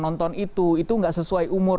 nonton itu itu enggak sesuai umur